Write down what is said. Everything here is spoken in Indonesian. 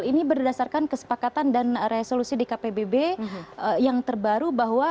ini berdasarkan kesepakatan dan resolusi di kpbb yang terbaru bahwa